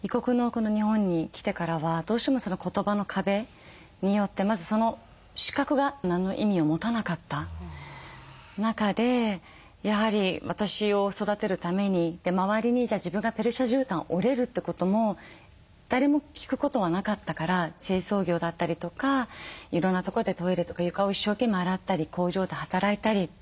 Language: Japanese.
この日本に来てからはどうしても言葉の壁によってまずその資格が何の意味を持たなかった中でやはり私を育てるためにって周りにじゃあ自分がペルシャじゅうたんを織れるってことも誰も聞くことはなかったから清掃業だったりとかいろんなとこでトイレとか床を一生懸命洗ったり工場で働いたり。